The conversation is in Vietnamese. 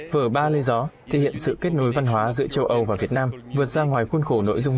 vở ba lê gió thể hiện sự kết nối văn hóa giữa châu âu và việt nam vượt ra ngoài khuôn khổ nội dung